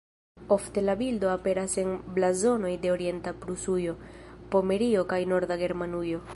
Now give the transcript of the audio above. Ofte la bildo aperas en blazonoj de Orienta Prusujo, Pomerio kaj Norda Germanujo.